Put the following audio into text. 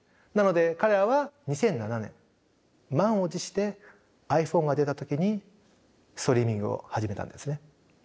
なので彼らは２００７年満を持してｉＰｈｏｎｅが出た時にストリーミングを始めたんですね。